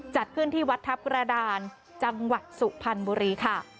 จัดขึ้นที่วัดทัพกระดานจังหวัดสุพรรณบุรีค่ะ